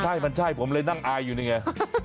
ใช่มันใช่ผมเลยนั่งอายอยู่นี่ไง